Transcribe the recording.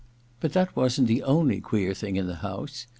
But that wasn't the only queer thing in the house.